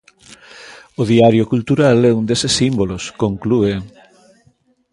O Diario Cultural é un deses símbolos, conclúe.